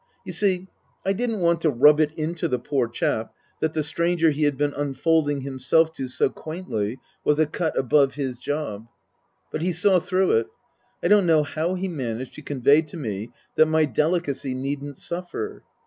You see, I didn't want to rub it into the poor chap that the stranger he had been unfolding himself to so quaintly was a cut above his job. But he saw through it. I don't know how he managed to convey to me that my delicacy needn't suffer.